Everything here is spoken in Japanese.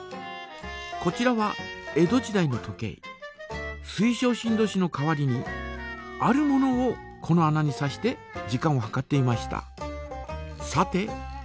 こちらは水晶振動子の代わりにあるものをこの穴に挿して時間を計っていました。